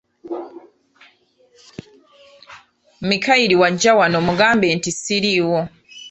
Mikayiri bwajja wano mugambe nti siriiwo.